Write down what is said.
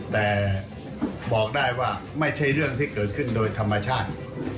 แต่บอกได้ว่าไม่ใช่เรื่องที่เกิดขึ้นโดยธรรมชาติ